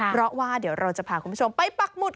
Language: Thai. เพราะว่าเดี๋ยวเราจะพาคุณผู้ชมไปปักหมุด